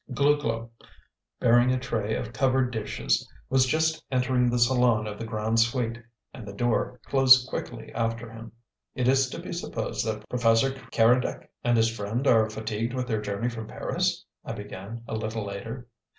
Glouglou, bearing a tray of covered dishes, was just entering the salon of the "Grande Suite," and the door closed quickly after him. "It is to be supposed that Professor Keredec and his friend are fatigued with their journey from Paris?" I began, a little later.